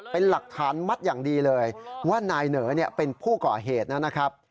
เป็นหลักฐานมัดอย่างดีเลยว่านายเหนอเป็นผู้ก่อเหตุนะครับ